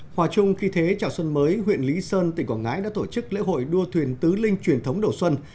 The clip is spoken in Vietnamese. hòa chung khi thế chào xuân mới huyện lý sơn tỉnh quảng ngãi đã tổ chức lễ hội đua thuyền tứ linh truyền thống đầu xuân